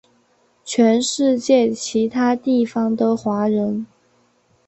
全世界其他地方的华人